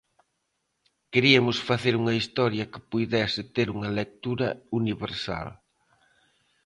Queriamos facer unha historia que puidese ter unha lectura universal.